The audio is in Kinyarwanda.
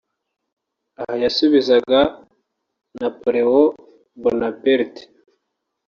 aha yasubizaga Napoleon Bonaparte